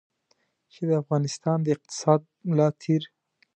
چې د افغانستان د اقتصاد ملا تېر.